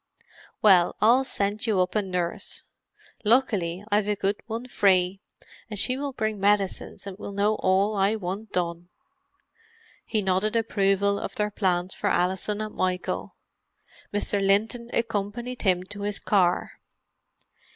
Well, I'll send you up a nurse. Luckily I've a good one free—and she will bring medicines and will know all I want done." He nodded approval of their plans for Alison and Michael. Mr. Linton accompanied him to his car.